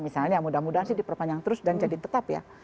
misalnya mudah mudahan sih diperpanjang terus dan jadi tetap ya